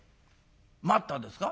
「『待った』ですか？」。